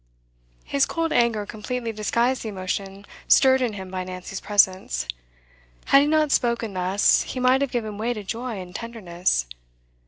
His cold anger completely disguised the emotion stirred in him by Nancy's presence. Had he not spoken thus, he must have given way to joy and tenderness.